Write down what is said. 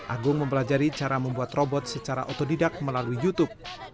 agung mempelajari cara membuat robot secara otodidak melalui youtube